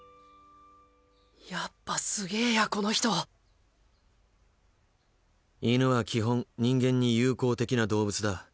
やっぱすげぇやこの人犬は基本人間に友好的な動物だ。